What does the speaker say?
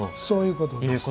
そういうことです。